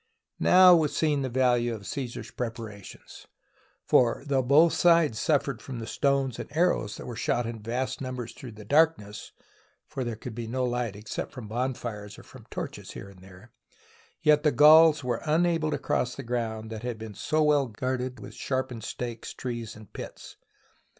Now was seen the value of Caesar's preparations ; for, though both sides suffered from the stones and arrows that were shot in vast numbers through the darkness (for there could be no light except from bonfires or from torches, here and there) yet the Gauls were unable to cross the ground that had been so well guarded with sharpened stakes, trees, and pits.